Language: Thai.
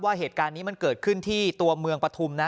เหตุการณ์นี้มันเกิดขึ้นที่ตัวเมืองปฐุมนะ